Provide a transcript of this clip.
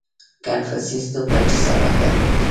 • کنفوسیوس دومره جسارت درلود.